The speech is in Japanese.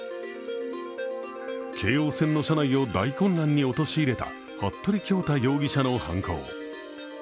京王線の車内を大混乱に陥れた服部恭太容疑者の犯行。